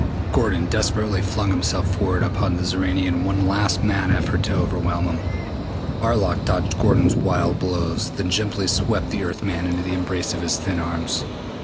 Gordon desperately flung himself forward upon the Xoranian in one last mad effort to overwhelm him. Arlok dodged Gordon's wild blows, then gently swept the Earth man into the embrace of his thin arms.